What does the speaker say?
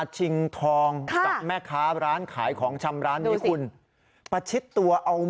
ใช่ค่ะ